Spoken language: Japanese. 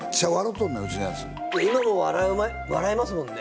今も笑いますもんね。